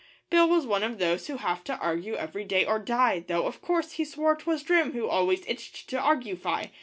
Bill was one of those who have to argue every day or die Though, of course, he swore 'twas Jim who always itched to argufy.